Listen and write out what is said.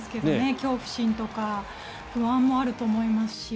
恐怖心とか不安もあると思いますし。